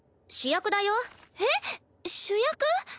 主役だよ。えっ主役？